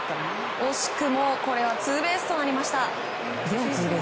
惜しくもツーベースとなりました。